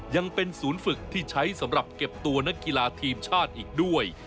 ยังเป็นศูนย์ฝึกที่ใช้สำหรับเก็บตัวนักกีฬาทีมชาติอีกด้วย